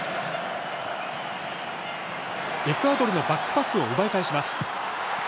エクアドルのバックパスを奪い返します。